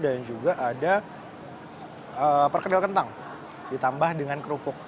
dan juga ada perkedel kentang ditambah dengan kerupuk